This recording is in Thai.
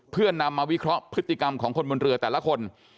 เพื่อนำมาวิเคราะห์พฤติกรรมของคนบนเรือแต่ละคน